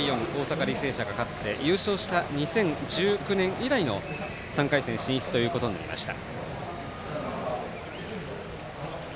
大阪、履正社が勝って優勝した２０１９年以来の３回戦進出ということになりました。